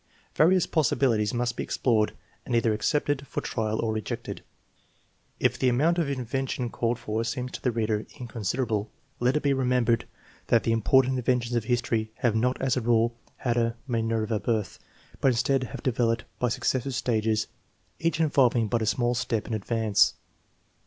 Various possibilities must be explored and either accepted for trial or rejected. If the amount of invention called for seems to the reader inconsiderable, let it be remembered that the important inventions of history have not as a rule had a Minerva birth, but instead have developed by suc cessive stages, each involving but a small step in advance.